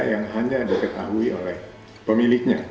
yang hanya diketahui oleh pemiliknya